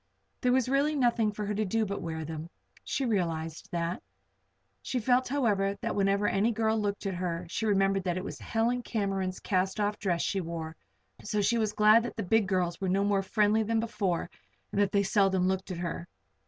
There was really nothing for her to do but wear them. She realized that. She felt, however, that whenever any girl looked at her she remembered that it was Helen Cameron's cast off dress she wore; so she was glad that the big girls were no more friendly than before and that they seldom looked at her.